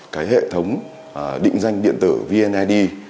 cái hệ thống định danh điện tử vneid